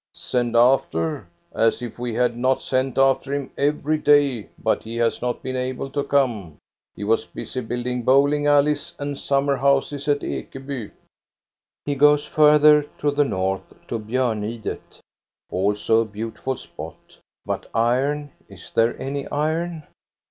" Send after ! As if we had not sent after him every day, but be has not been able to come. He was busy building bowling alleys and summer houses at Ekeby." He goe*further to the north to Bjornidet. Also a beautiful spot, but iron, is there any iron?